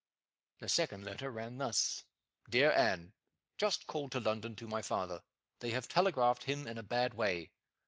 The second letter ran thus: "DEAR ANNE, Just called to London to my father. They have telegraphed him in a bad way.